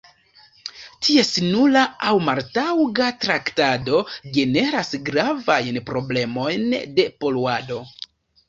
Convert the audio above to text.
Ties nula aŭ maltaŭga traktado generas gravajn problemojn de poluado.